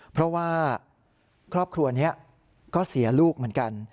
เพราะว่าครอบครัวนี้ก็เสียลูกเหมือนกัน